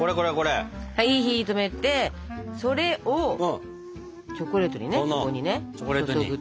はい火を止めてそれをチョコレートにねそこにね注ぐと。